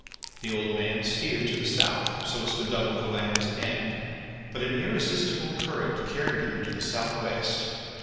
The old man steered to the south so as to double the Land's End, but an irresistible current carried him to the south west.